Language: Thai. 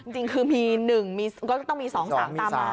จริงคือมี๑ก็ต้องมี๒๓ตามมา